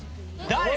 誰？